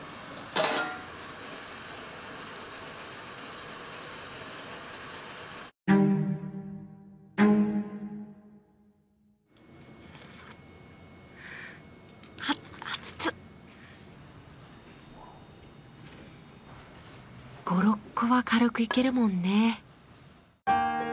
５６個は軽くいけるもんね。